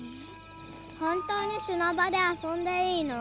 本当に砂場で遊んでいいの？